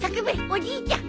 おじいちゃん。